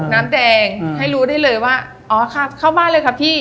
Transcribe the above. น้ำแดงให้รู้ได้เลยว่าอ๋อครับเข้าบ้านเลยครับพี่